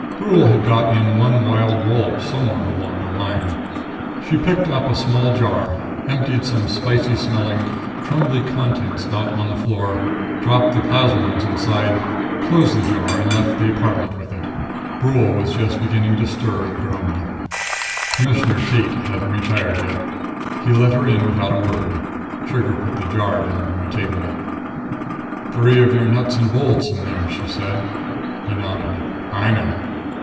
Brule had got in one wild wallop somewhere along the line. She picked up a small jar, emptied some spicy smelling, crumbly contents out on the table, dropped the plasmoids inside, closed the jar and left the apartment with it. Brule was just beginning to stir and groan. Commissioner Tate hadn't retired yet. He let her in without a word. Trigger put the jar down on a table. "Three of your nuts and bolts in there," she said. He nodded. "I know."